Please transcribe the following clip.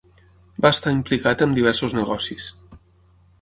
Va estar implicat amb diversos negocis.